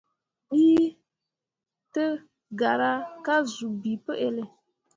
Dǝǝ tǝ gara ka zuu bii pǝ elle.